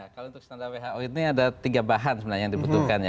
kalau untuk standar who ini ada tiga bahan sebenarnya yang dibutuhkan